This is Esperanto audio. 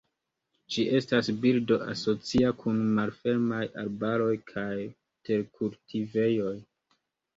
Ĝi estas birdo asocia kun malfermaj arbaroj kaj terkultivejoj.